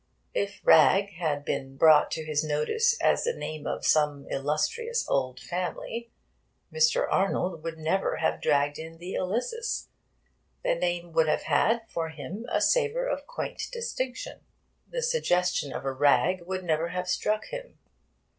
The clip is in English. If 'Ragg' had been brought to his notice as the name of some illustrious old family, Mr. Arnold would never have dragged in the Ilyssus. The name would have had for him a savour of quaint distinction. The suggestion of a rag would never have struck him.